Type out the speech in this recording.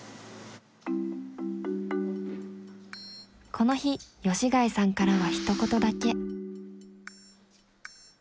この日吉開さんからはひと言だけ。